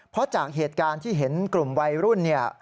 เพราะจากเหตุการณ์ที่เห็นกลุ่มวัยรุ่นเนี่ย